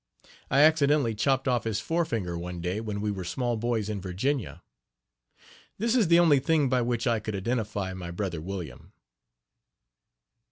I accidentally chopped off his forefinger one day, when we were small boys in Virginia. This is the only thing by which I could identify my brother William.